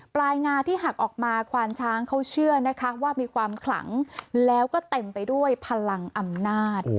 ปลายงาที่หักออกมาควานช้างเขาเชื่อนะคะว่ามีความขลังแล้วก็เต็มไปด้วยพลังอำนาจ